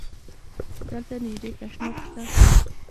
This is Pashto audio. دلته نژدی تشناب شته؟